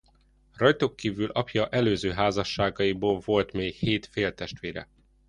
Rajtuk kívül apja előző házasságaiból volt még hét féltestvére.